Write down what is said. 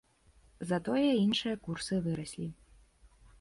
Затое іншыя курсы выраслі.